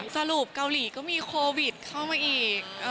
สรุปเกาหลีก็มีโควิดเข้ามาอีก